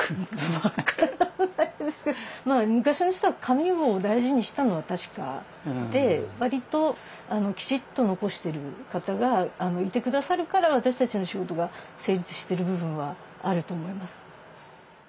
わからないですけどまあ昔の人は紙を大事にしたのは確かで割ときちっと残してる方がいて下さるから私たちの仕事が成立してる部分はあると思います。